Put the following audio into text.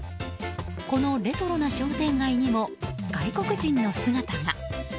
このレトロな商店街にも外国人の姿が。